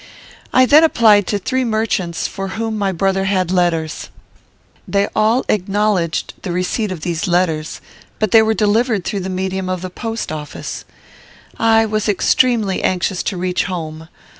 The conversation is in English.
"'I then applied to three merchants for whom my brother had letters. They all acknowledged the receipt of these letters, but they were delivered through the medium of the post office. "'I was extremely anxious to reach home.